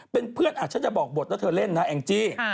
เป็นเพื่อนฉันจะบอกบทแล้วเธอเล่นนะแองจี้